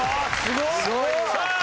すごいわ。